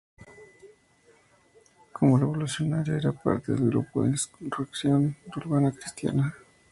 Como revolucionaria, era parte de un grupo de insurrección urbana cristiana.